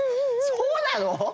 そうなの？